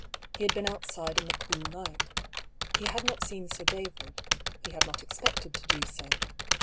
He had been outside in the cool night. He had not seen Sir David ; he had not expected to do so.